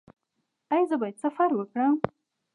ایا زه باید سفر وکړم؟